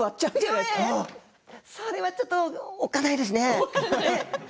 魚でそれはちょっとおっかないですね。